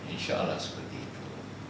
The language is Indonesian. insya allah seperti itu